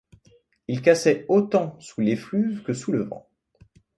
Ils cassaient autant sous l’effluve que sous le vent.